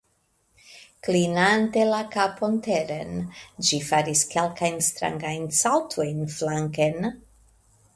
Klinante la kapon teren, ĝi faris kelkajn strangajn saltojn flanken.